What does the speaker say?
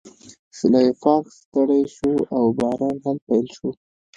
سلای فاکس ستړی شو او باران هم پیل شو